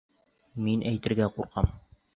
— Мин әйтергә ҡурҡам.